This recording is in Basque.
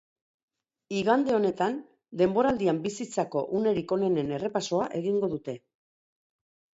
Igande honetan, denboraldian bizitzako unerik onenen errepasoa egingo dute.